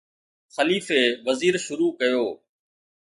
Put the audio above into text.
خليفي وزير شروع ڪيو